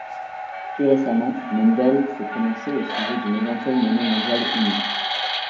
Plus récemment, Mundell s’est prononcé au sujet d’une éventuelle monnaie mondiale unique.